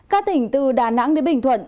các tỉnh từ đà nẵng đến bình thuận